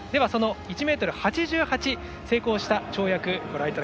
１ｍ８８を成功した跳躍です。